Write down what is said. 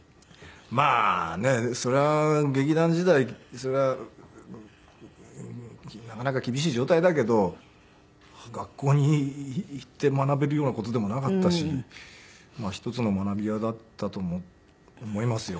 そりゃなかなか厳しい状態だけど学校に行って学べるような事でもなかったし一つの学び舎だったと思いますよ。